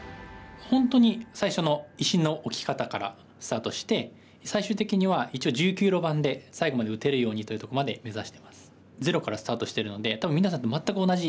本当に最初の石の置き方からスタートして最終的には一応１９路盤で最後まで打てるようにというとこまで目指してます。